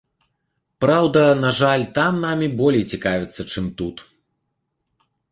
Праўда, на жаль, там намі болей цікавяцца, чым тут.